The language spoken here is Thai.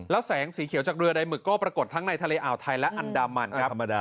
แล้วแสงสีเขียวจากเรือใดหมึกก็ปรากฏทั้งในทะเลอ่าวไทยและอันดามันครับ